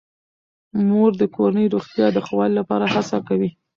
مور د کورنۍ روغتیا د ښه والي لپاره هڅه کوي.